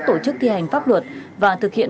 tổ chức thi hành pháp luật và thực hiện